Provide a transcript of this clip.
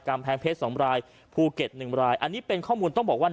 กำแพงเพชร๒รายภูเก็ต๑รายอันนี้เป็นข้อมูลต้องบอกว่า